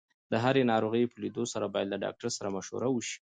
د هرې ناروغۍ په لیدو سره باید له ډاکټر سره مشوره وشي.